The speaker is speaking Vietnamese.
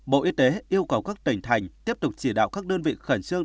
bộ y tế yêu cầu các tỉnh thành tiếp tục chỉ đạo các đơn vị khẩn trương